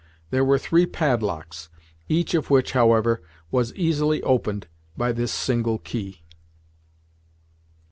There were three padlocks, each of which however was easily opened by this single key.